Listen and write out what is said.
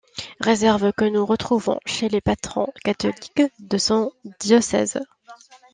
Réserves que nous retrouvons chez les patrons catholiques de son diocèse.